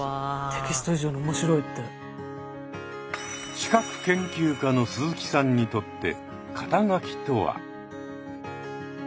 資格研究家の鈴木さんにとって肩書とは。